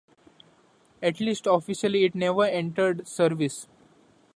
At least officially it never entered service.